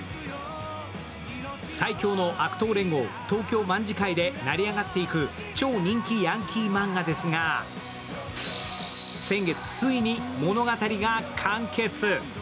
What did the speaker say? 最凶の悪党連合・東京卍會で成り上がっていく超人気ヤンキーマンガですが先月ついに物語が完結。